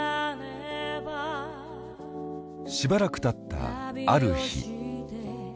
しばらくたったある日。